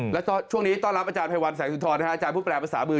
แล้วช่วงนี้ต้อนรับอาจารย์ไพวันแสงสุนทรอาจารย์ผู้แปลภาษามือ